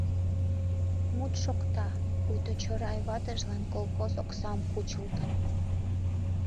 Мут шокта: пуйто Чорай ватыжлан колхоз оксам кучылтын.